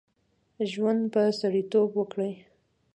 ژوند په سړیتوب وکړه.